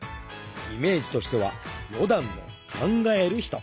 イメージとしてはロダンの「考える人」。